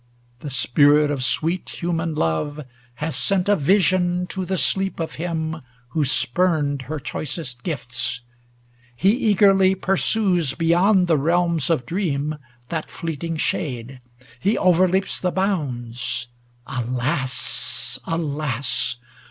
The spirit of sweet human love has sent A vision to the sleep of him who spurned Her choicest gifts. He eagerly pursues Beyond the realms of dream that fleeting shade; He overleaps the bounds. Alas ! alas